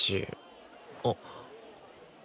あっ。